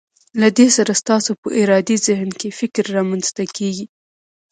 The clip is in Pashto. له دې سره ستاسو په ارادي ذهن کې فکر رامنځته کیږي.